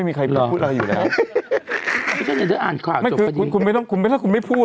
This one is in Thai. มันจัดรายการอยู่